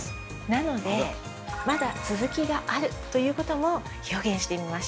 なので「まだ続きがある」ということも表現してみました。